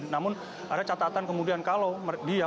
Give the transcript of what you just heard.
namun ada catatan kemudian kalau dia